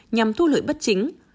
nhằm thu lưỡi bất chính